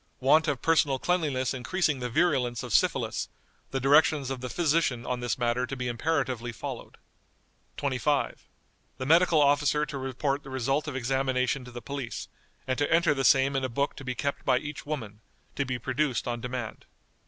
Want of personal cleanliness increasing the virulence of syphilis, the directions of the physician on this matter to be imperatively followed." "25. The medical officer to report the result of examination to the police, and to enter the same in a book to be kept by each woman, to be produced on demand."